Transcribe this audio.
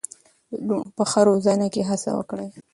د لوڼو په ښه روزنه کې هڅه وکړئ.